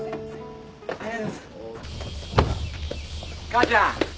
母ちゃん。